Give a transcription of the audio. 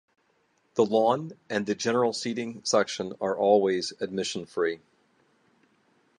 The lawn and the general seating section are always admission free.